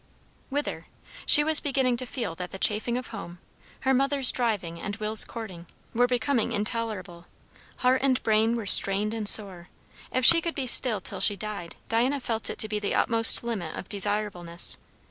Whither? She was beginning to feel that the chafing of home, her mother's driving and Will's courting, were becoming intolerable. Heart and brain were strained and sore; if she could be still till she died, Diana felt it to be the utmost limit of desirableness.